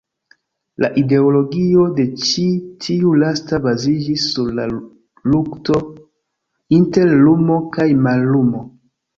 La ideologio de ĉi tiu lasta baziĝis sur la lukto inter lumo kaj mallumo.